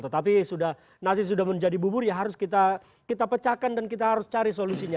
tetapi nasi sudah menjadi bubur ya harus kita pecahkan dan kita harus cari solusinya